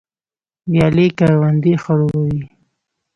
ویالې کروندې خړوبوي